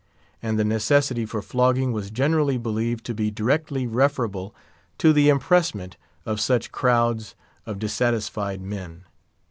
And the necessity for flogging was generally believed to be directly referable to the impressment of such crowds of dissatisfied men.